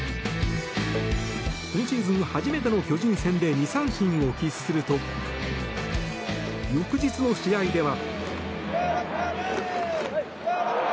今シーズン初めての巨人戦で２三振を喫すると翌日の試合では。